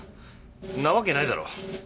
んなわけないだろ！